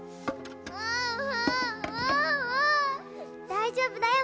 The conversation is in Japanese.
大丈夫だよ